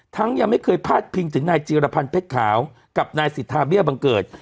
ยังไม่เคยพาดพิงถึงนายจีรพันธ์เพชรขาวกับนายสิทธาเบี้ยบังเกิด